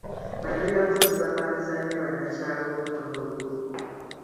Bannabyabufuzi bapangisa nnyo bannakyalo okunoonya obululu.